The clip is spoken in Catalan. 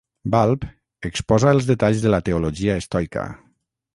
Balb exposa els detalls de la teologia estoica.